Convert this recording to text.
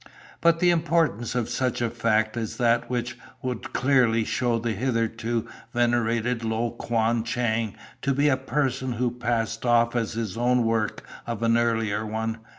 "'But the importance of such a fact as that which would clearly show the hitherto venerated Lo Kuan Chang to be a person who passed off as his own the work of an earlier one!